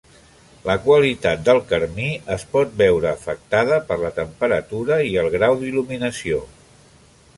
La qualitat del carmí es pot veure afectada per la temperatura i el grau d'il·luminació.